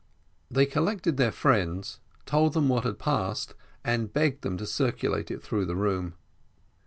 They collected their friends, told them what had passed, and begged them to circulate it through the room.